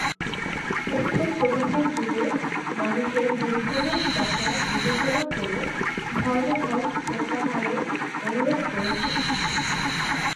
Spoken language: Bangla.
তথ্যপ্রবাহের যুগে মানুষের দুর্ভোগের কথা বিবেচনা করে ধর্মঘট প্রত্যাহারের অনুরোধ করেছেন।